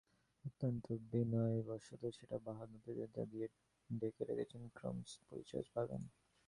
অত্যন্ত বিনয়বশত সেটা বাহ্য প্রাচীনতা দিয়ে ঢেকে রেখেছেন, ক্রমশ পরিচয় পাবেন।